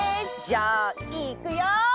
じゃあいくよ！